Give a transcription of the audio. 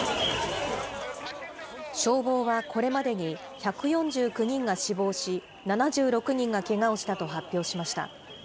消防はこれまでに１４９人が死亡し、７６人がけがをしたと発表しました。